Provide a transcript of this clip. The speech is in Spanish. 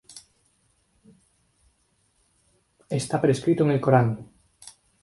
Está prescrito en el Corán.